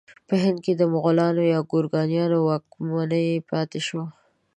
په هند کې د مغلانو یا ګورکانیانو واکمني پاتې شوه.